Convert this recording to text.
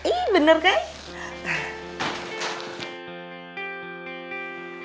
ih bener kaya